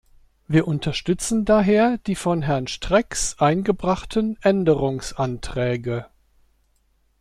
Wir unterstützen daher die von Herrn Sterckx eingebrachten Änderungsanträge.